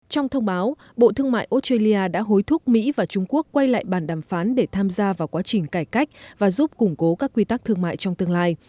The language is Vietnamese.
trong thông báo bộ thương mại australia đã hối thúc mỹ và trung quốc quay lại bàn đàm phán để tham gia vào quá trình cải cách và giúp củng cố các quy tắc thương mại trong tương lai